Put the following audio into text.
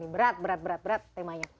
berat berat berat berat temanya